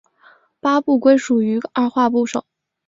八部归于二划部首。